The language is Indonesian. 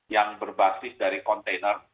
yang berbasis dari kontainer